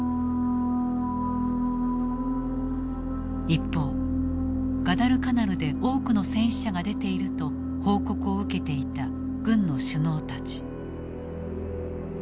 一方ガダルカナルで多くの戦死者が出ていると報告を受けていた軍の首脳たち。